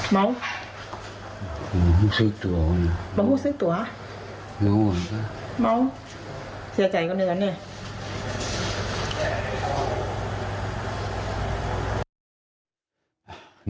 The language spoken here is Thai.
เมาว่าเจ้าที่๕พี่สาวเหมือนเหมือนเสียใจกันเลย